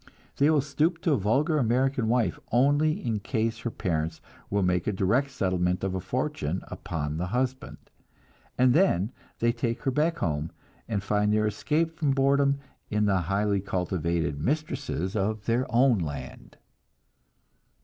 They will stoop to a vulgar American wife only in case her parents will make a direct settlement of a fortune upon the husband, and then they take her back home, and find their escape from boredom in the highly cultivated mistresses of their own land.